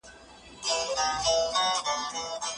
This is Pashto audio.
احمد شاه ابدالي څنګه د ګډو ګټو په اړه خبرې کولي؟